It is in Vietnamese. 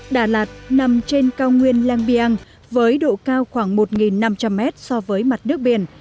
đà lạt nằm trên cao nguyên lang biang với độ cao khoảng một năm trăm linh mét so với mặt nước biển